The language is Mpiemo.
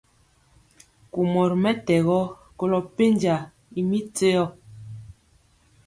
Kumɔ ri mɛtɛgɔ kolo penja y mi téo.